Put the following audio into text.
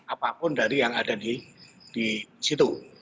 apapun dari yang ada di situ